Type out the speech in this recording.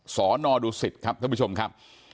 สนดุศิษฐ์ครับท่านผู้ชมครับ